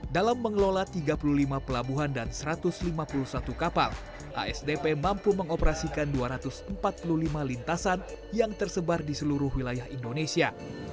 dalam mengelola tiga puluh lima pelabuhan dan satu ratus lima puluh satu kapal asdp mampu mengoperasikan dua ratus empat puluh lima lintasan yang tersebar di seluruh wilayah indonesia